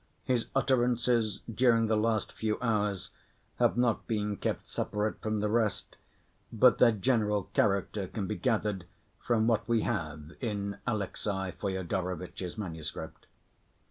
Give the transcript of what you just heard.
His utterances during the last few hours have not been kept separate from the rest, but their general character can be gathered from what we have in Alexey Fyodorovitch's manuscript.